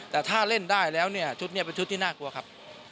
แต่ถ้าเล่นได้แล้วเนี่ยชุดนี้เป็นชุดที่น่ากลัวครับ